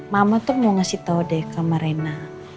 mama tuh mau ngasih tau deh sama rena